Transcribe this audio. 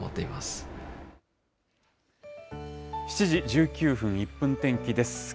７時１９分、１分天気です。